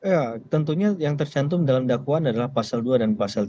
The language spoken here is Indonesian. ya tentunya yang tercantum dalam dakwaan adalah pasal dua dan pasal tiga